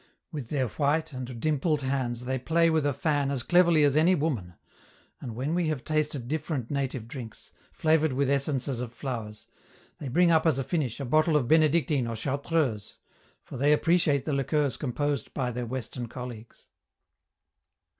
With their white and dimpled hands they play with a fan as cleverly as any woman, and when we have tasted different native drinks, flavored with essences of flowers, they bring up as a finish a bottle of Benedictine or Chartreuse, for they appreciate the liqueurs composed by their Western colleagues.